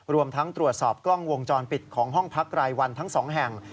รวมทั้งตรวจสอบกล้องวงจรปิดของห้องพักรายวันทั้ง๒แห่ง